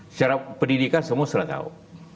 secara pendidikan semua selesai